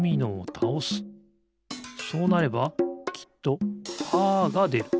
そうなればきっとパーがでる。